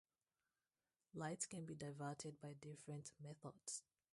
Light can be diverted by different methods.